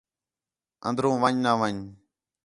اندر ون٘ڄ نہ ون٘ڄ